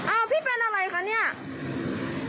พี่เป็นอะไรคะเนี่ย